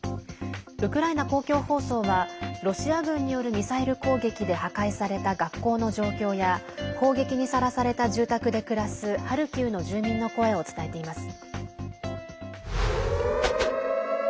ウクライナ公共放送はロシア軍によるミサイル攻撃で破壊された学校の状況や砲撃にさらされた住宅で暮らすハルキウの住民の声を伝えています。